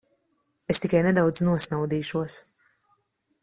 Es tikai nedaudz nosnaudīšos.